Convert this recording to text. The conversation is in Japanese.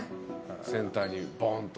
センターにボンっと。